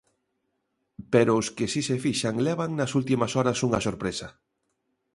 Pero os que si se fixan levan nas últimas horas unha sorpresa.